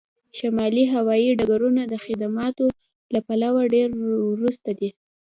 شمالي هوایی ډګرونه د خدماتو له پلوه ډیر وروسته دي